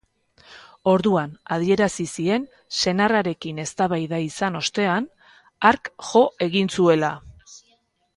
Orduan adierazi zien senarrarekin eztabaida izan ostean, hark jo egin zuela.